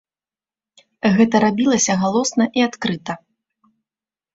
Гэта рабілася галосна і адкрыта.